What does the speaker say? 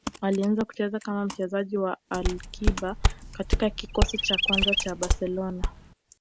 Alianza kucheza kama mchezaji wa akiba katika kikosi cha kwanza cha Barcelona